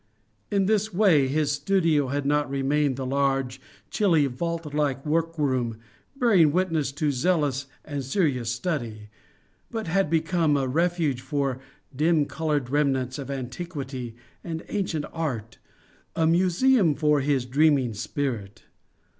In this way his studio had not remained the large, chilly, vault like workroom bearing witness to zealous and serious study, but had become a refuge for dim coloured remnants of antiquity and ancient art, a museum for his dreaming spirit.